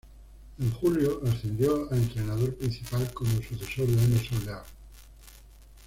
En julio, ascendió a entrenador principal como sucesor de Emerson Leão.